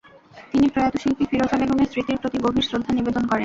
তিনি প্রয়াত শিল্পী ফিরোজা বেগমের স্মৃতির প্রতি গভীর শ্রদ্ধা নিবেদন করেন।